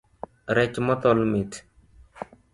Rech mothol mit.